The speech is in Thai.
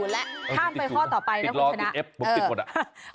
ห้ามไปข้อต่อไปนะคุณชนะ